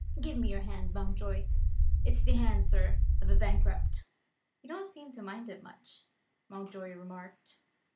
Give me your hand, Mountjoy. It's the hand, sir, of a bankrupt." "You don't seem to mind it much," Mountjoy remarked.